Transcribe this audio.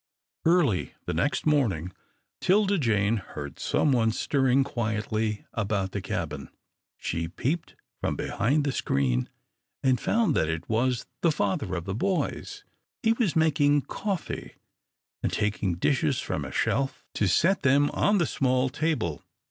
Early the next morning 'Tilda Jane heard some one stirring quietly about the cabin. She peeped from behind the screen, and found that it was the father of the boys. He was making coffee, and taking dishes from a shelf to set them on the small table.